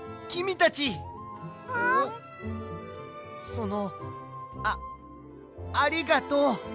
そのあありがとう。